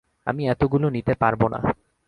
আমি এতগুলো নিতে পারব না।